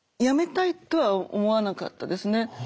やめたいとは思わなかったですね。